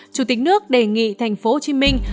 chủ tịch nước đề nghị tp hcm